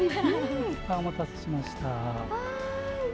お待たせしました。